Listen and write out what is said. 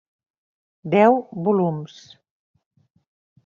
Deu volums.